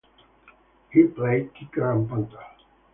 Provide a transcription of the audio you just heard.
He played Kicker and Punter.